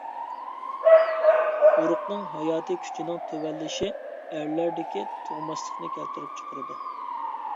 ئۇرۇقنىڭ ھاياتى كۈچىنىڭ تۆۋەنلىشى ئەرلەردىكى تۇغماسلىقنى كەلتۈرۈپ چىقىرىدۇ.